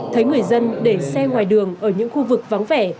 thấy người dân để xe ngoài đường ở những khu vực vắng vẻ